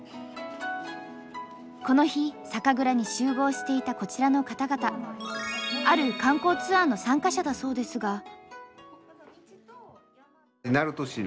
この日酒蔵に集合していたこちらの方々ある観光ツアーの参加者だそうですが。